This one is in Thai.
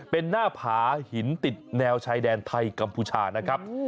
เป็นหน้าผาหินติดแนวชายแดนไทยกัมพูชานะครับ